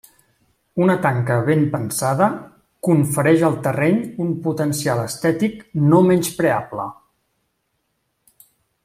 Una tanca ben pensada confereix al terreny un potencial estètic no menyspreable.